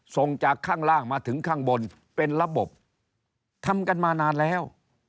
ส่งจากข้างล่างมาถึงข้างบนเป็นระบบทำกันมานานแล้ว